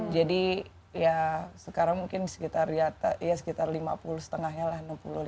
jadi ya sekarang mungkin sekitar lima puluh setengahnya lah enam puluh lima